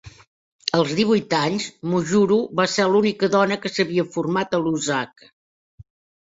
Als divuit anys, Mujuru va ser l'única dona que s'havia format a Lusaka.